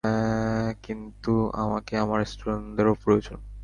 হ্যাঁ, কিন্তু আমাকে আমার স্টুডেন্টদেরও প্রয়োজন।